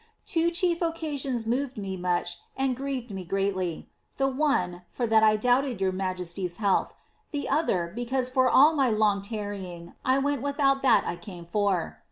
Two chief occasions moved me much and grieved me fnatly, — the one, for that I doubted your m^jesty^s health, — tlie other, because fir all my long tarrying I went without that I came for.